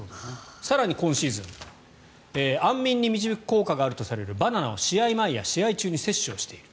更に今シーズン安眠に導く効果があるとされるバナナを試合前や試合中に摂取している。